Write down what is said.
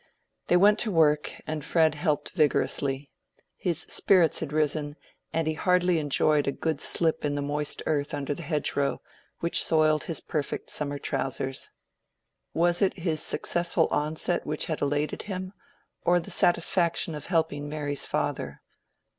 They went to work, and Fred helped vigorously. His spirits had risen, and he heartily enjoyed a good slip in the moist earth under the hedgerow, which soiled his perfect summer trousers. Was it his successful onset which had elated him, or the satisfaction of helping Mary's father?